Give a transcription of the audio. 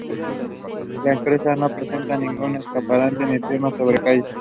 La empresa no presenta ningún escaparate ni firma sobre calle.